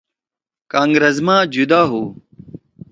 کانگرس ما جُدا ہؤ